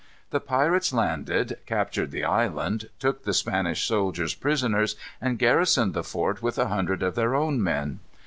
The pirates landed, captured the island, took the Spanish soldiers prisoners, and garrisoned the fort with a hundred of their own men.